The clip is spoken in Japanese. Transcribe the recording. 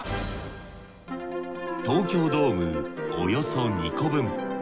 東京ドームおよそ２個分。